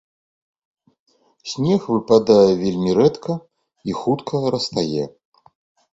Снег выпадае вельмі рэдка і хутка растае.